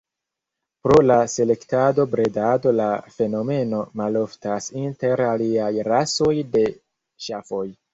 Pro la selektado bredado la fenomeno maloftas inter aliaj rasoj de ŝafoj.